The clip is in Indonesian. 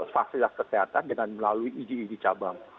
fasilitas kesehatan dengan melalui idi idi cabang